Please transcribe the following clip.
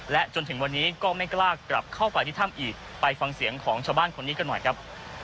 และจนถึงวันนี้ก็ไม่กล้ากลับเข้าไปที่ถ้ำอีกไปฟังเสียงของชาวบ้านคนนี้กันหน่อยครับ